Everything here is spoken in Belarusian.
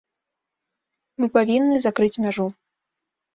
Мы павінны закрыць мяжу.